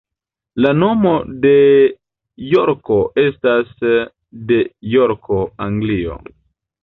La nomo de Jorko estas de Jorko, Anglio.